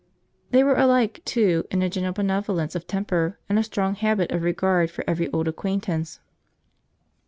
They were alike too, in a general benevolence of temper, and a strong habit of regard for every old acquaintance.